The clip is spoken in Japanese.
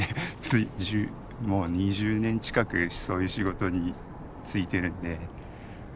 もう２０年近くそういう仕事に就いてるんで。